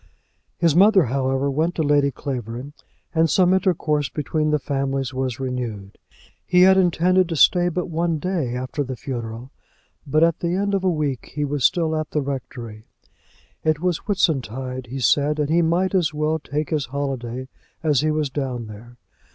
His mother, however, went to Lady Clavering, and some intercourse between the families was renewed. He had intended to stay but one day after the funeral, but at the end of a week he was still at the rectory. It was Whitsuntide he said, and he might as well take his holiday as he was down there.